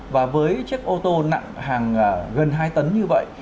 và với chiếc ô tô nặng hàng gần hai tấn như vậy